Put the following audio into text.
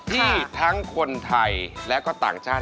ที่ทั้งคนไทยและก็ต่างชาติ